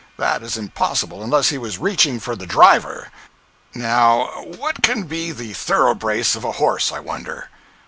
That is impossible, unless he was reaching for the driver. Now, what can be the thoroughbrace of a horse, I wonder?